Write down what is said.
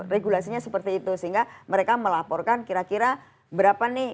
regulasinya seperti itu sehingga mereka melaporkan kira kira berapa nih